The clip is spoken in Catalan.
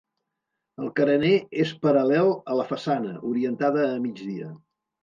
El carener és paral·lel a la façana, orientada a migdia.